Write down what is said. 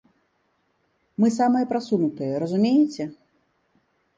Мы самыя прасунутыя, разумееце?